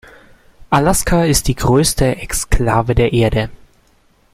Alaska ist die größte Exklave der Erde.